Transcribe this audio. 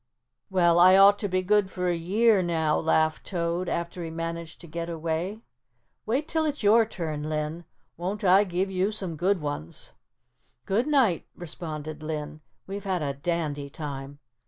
"Well, I ought to be good for a year, now," laughed Toad, after he managed to get away. "Wait 'till it's your turn, Linn, won't I give you some good ones?" "Good night," responded Linn, "we've had a dandy time."